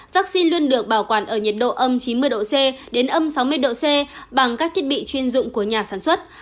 vaccine luôn được bảo quản ở nhiệt độ âm chín mươi độ c đến âm sáu mươi độ c bằng các thiết bị chuyên dụng của nhà sản xuất